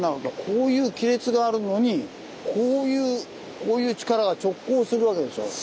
こういう亀裂があるのにこういうこういう力が直交するわけでしょう。